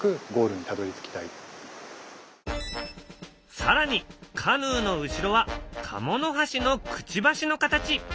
更にカヌーの後ろはカモノハシのくちばしの形！